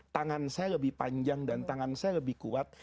tangan saya lebih panjang dan tangan saya lebih kuat